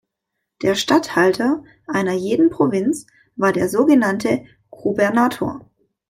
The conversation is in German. Der Statthalter einer jeden Provinz war der sogenannte Gubernator.